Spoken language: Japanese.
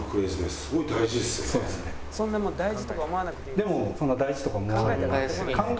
「そんな大事とか思わなくていいです」。